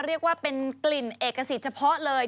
เรียกว่าเป็นกลิ่นเอกสิทธิ์เฉพาะเลย